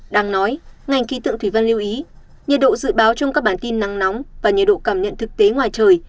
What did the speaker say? đang nói ngành khí tượng thủy văn lưu ý nhiệt độ dự báo trong các bản tin nắng nóng và nhiệt độ cảm nhận thực tế ngoài trời